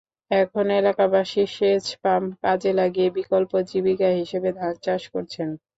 এখন এলাকাবাসী সেচপাম্প কাজে লাগিয়ে বিকল্প জীবিকা হিসেবে ধান চাষ করছেন।